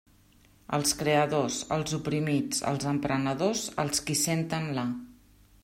Els creadors, els oprimits, els emprenedors, els qui senten la.